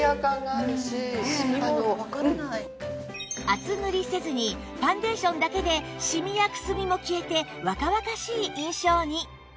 厚塗りせずにファンデーションだけでシミやくすみも消えて若々しい印象に！